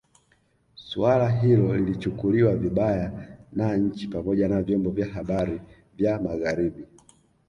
Suala hilo lilichukuliwa vibaya na nchi pamoja na vyombo vya habari vya Magharibi